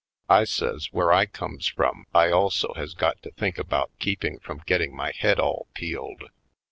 I says where I comes from I also has got to think about keeping from getting my head all peeled.